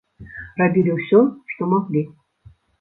Рабілі ўсё, што маглі.